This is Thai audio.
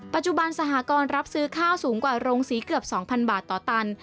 ปัจจุบันสหกรณ์รับซื้อข้าวสูงกว่าโรงสีเกือบ๒๐๐บาทต่อตัน